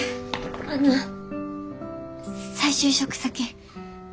あの再就職先探す